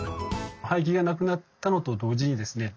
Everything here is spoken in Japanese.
廃棄がなくなったのと同時にですね